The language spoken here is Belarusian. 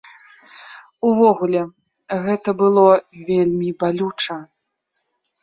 Увогуле, гэта было вельмі балюча.